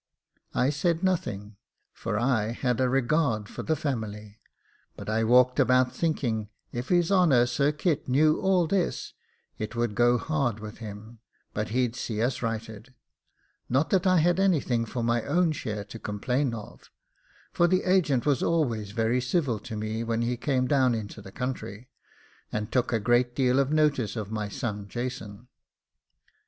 I said nothing, for I had a regard for the family; but I walked about thinking if his honour Sir Kit knew all this, it would go hard with him but he'd see us righted; not that I had anything for my own share to complain of, for the agent was always very civil to me when he came down into the country, and took a great deal of notice of my son Jason.